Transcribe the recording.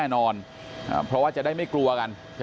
ขอบคุณทุกคน